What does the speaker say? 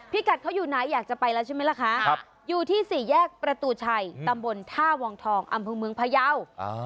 กัดเขาอยู่ไหนอยากจะไปแล้วใช่ไหมล่ะคะอยู่ที่สี่แยกประตูชัยตำบลท่าวังทองอำเภอเมืองพยาว